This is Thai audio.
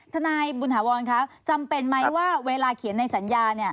ทนายบุญถาวรคะจำเป็นไหมว่าเวลาเขียนในสัญญา